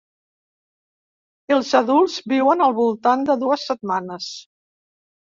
Els adults viuen al voltant de dues setmanes.